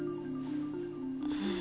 うん。